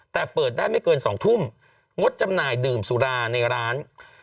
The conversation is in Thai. แต่เปิดได้ไม่เกิน๒ทุ่มงดจำหน่ายดื่มสุราในร้าน